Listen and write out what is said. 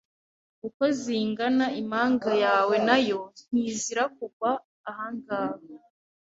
uko zingana impanga yawe na yo ntizira kugwa ahangaha